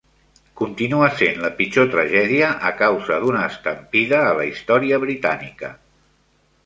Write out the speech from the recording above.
Continua sent la pitjor tragèdia a causa d'una estampida a la història britànica.